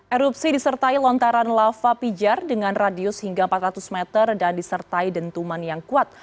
erupsi disertai lontaran lava pijar dengan radius hingga empat ratus meter dan disertai dentuman yang kuat